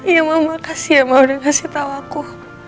iya mama kasih ya mama udah kasih tau aku